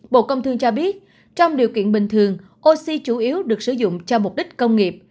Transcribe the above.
bộ công thương cho biết trong điều kiện bình thường oxy chủ yếu được sử dụng cho mục đích công nghiệp